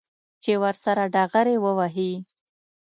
چې ورسره ډغرې ووهي.